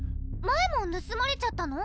前もぬすまれちゃったの？